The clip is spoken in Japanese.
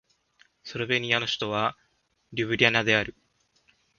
スロベニアの首都はリュブリャナである